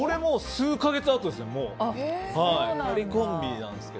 数か月あとですね。